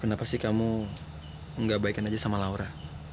kenapa sih kamu nggak baikin aja sama laura